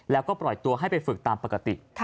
แล้วก็ปล่อยตัวให้ไปฝึกตามปกติ